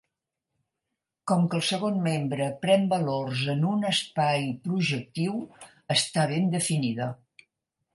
Com que el segon membre pren valors en un espai projectiu, està ben definida.